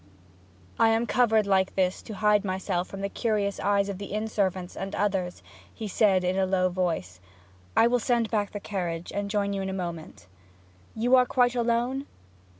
'I am covered like this to hide myself from the curious eyes of the inn servants and others,' he said, in a low voice. 'I will send back the carriage and join you in a moment.' 'You are quite alone?'